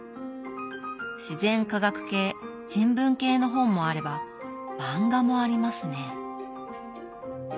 自然科学系人文系の本もあれば漫画もありますね。